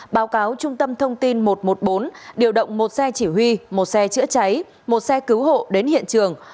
báo cáo trung tâm thông tin một trăm một mươi bốn điều động một xe chỉ huy một xe chữa cháy một xe cứu hộ đến hiện trường